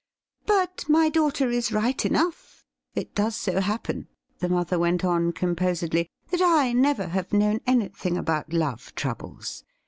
' But my daughter is right enough ; it does so happen,' the mother went on composedly, ' that I never have known anything about love troubles.